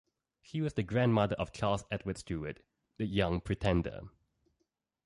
She was the grandmother of Charles Edward Stuart, the "Young Pretender".